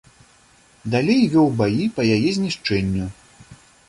Далей вёў баі па яе знішчэнню.